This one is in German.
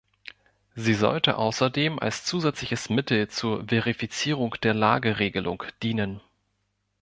Sie sollte außerdem als zusätzliches Mittel zur Verifizierung der Lageregelung dienen.